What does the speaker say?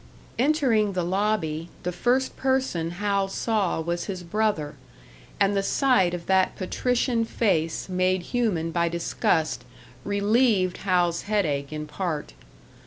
Entering the lobby, the first person Hal saw was his brother, and the sight of that patrician face made human by disgust relieved Hal's headache in part.